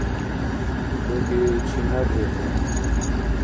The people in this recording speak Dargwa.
Дуги чинарри хӀу?